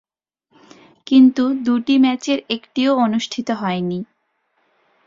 কিন্তু দুটি ম্যাচের একটিও অনুষ্ঠিত হয়নি।